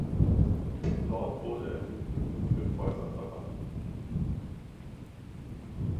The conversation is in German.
Dort wurde er Mitglied im Kyffhäuser-Verband.